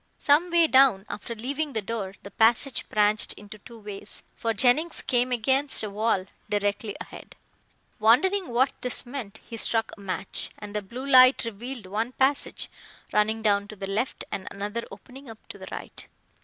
Some way down, after leaving the door, the passage branched into two ways, for Jennings came against a wall directly ahead. Wondering what this meant, he struck a match, and the blue light revealed one passage running down to the left and another opening up to the right.